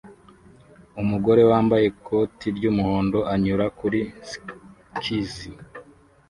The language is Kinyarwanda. Umugore wambaye ikoti ry'umuhondo anyura kuri skisi